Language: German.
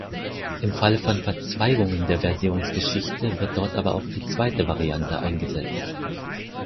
Im Falle von Verzweigungen der Versionsgeschichte wird dort aber auch die zweite Variante eingesetzt.